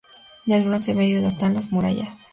Del Bronce Medio datan las murallas.